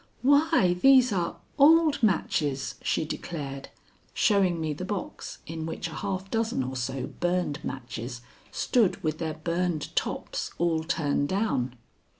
"Why, these are old matches!" she declared, showing me the box in which a half dozen or so burned matches stood with their burned tops all turned down.